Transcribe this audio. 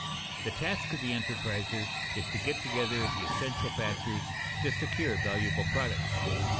_The task of the enterpriser is to get together the essential factors to secure valuable products.